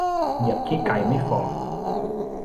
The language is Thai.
เหยียบขี้ไก่ไม่ฝ่อ